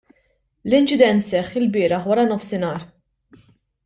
L-inċident seħħ ilbieraħ waranofsinhar.